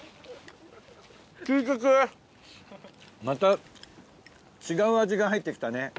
また違う味が入って来たね。